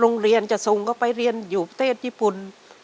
โรงเรียนจะส่งเขาไปเรียนอยู่ประเทศญี่ปุ่น